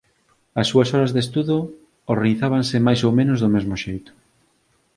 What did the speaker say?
As súas horas de estudo organizábanse máis ou menos do mesmo xeito: